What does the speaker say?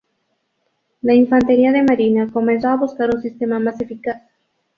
La Infantería de Marina comenzó a buscar un sistema más eficaz.